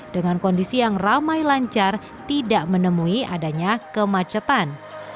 dengan kondisi yang ramai lancar tidak menemui adanya kemacetan